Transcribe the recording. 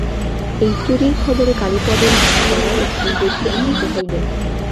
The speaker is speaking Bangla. এই চুরির খবরে কালীপদর মনে বড়ো একটি গভীর আনন্দ হইল।